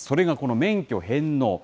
それがこの免許返納。